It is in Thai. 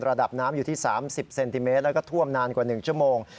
ระดับน้ำอยู่ที่๓๐เซนติเมตรแล้วก็ท่วมนานกว่า๑ชั่วโมง